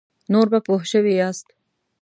نور به پوه شوي یاست.